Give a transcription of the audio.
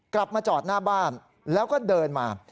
กลับมาจอดหน้าบ้านแล้วก็เดินมา